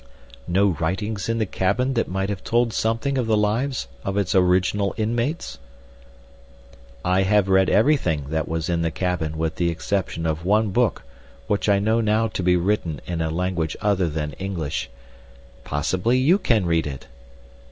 "No writings in the cabin that might have told something of the lives of its original inmates?" "I have read everything that was in the cabin with the exception of one book which I know now to be written in a language other than English. Possibly you can read it."